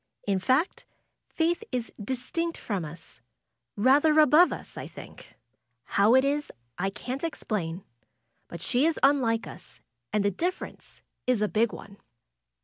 In fact. Faith is distinct from us; rather above us, I think. How it is I can't explain. But she is unlike us, and the differ ence is a big one."